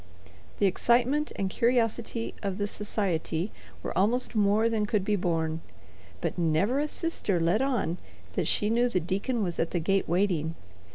The excitement and curiosity of the society were almost more than could be borne, but never a sister let on that she knew the deacon was at the gate waiting.